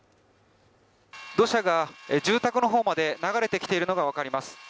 土砂が住宅のほうまで流れてきているのが分かります